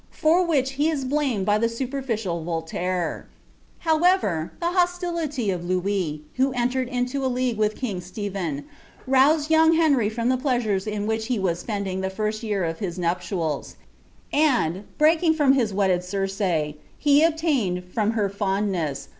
for which he is blamed by the superficial Voltainv ij'. hoeiiliiy of Louis, who entered into a league with king :.'<ut<^d yuuii); Henry from the pleasures in which fae wasepend uig lup iirsi year of hia nuptials ; and, breaking from his wedded Circe, Wi4i(ain«d, from her fonduess.